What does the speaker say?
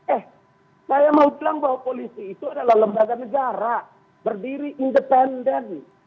eh saya mau bilang bahwa polisi itu adalah lembaga negara berdiri independen